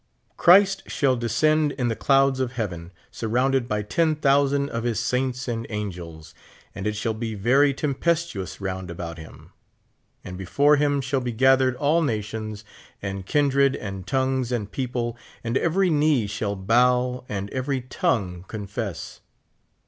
61 Christ shall descend iu the clouds of heaven, surrounded by ten thousand of Jiis saints and angels, and it shall be very tempestuous round about him ; and before him shall be orathered all nations and kindred and tongues and people ; and every knee shall bow and every tongue con fess.